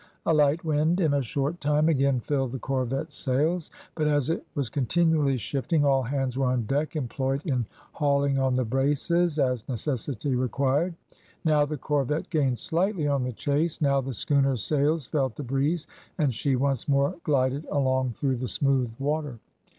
A light wind, in a short time, again filled the corvette's sails; but as it was continually shifting, all hands were on deck employed in hauling on the braces, as necessity required. Now the corvette gained slightly on the chase, now the schooner's sails felt the breeze, and she once more glided along through the smooth water.